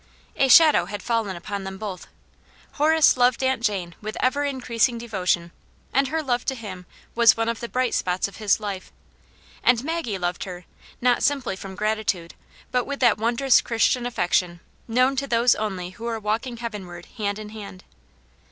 A shadow had fallen upon them both. Horace Aunt Janets Hero. 235 loved Aunt Jane with ever increasing devotion, and her love to him was one of the bright spots of his life. And Maggie loved her, not simply from grati tude, but with that wondrous Christian affection known to those only who are walking heavenward hand in hand.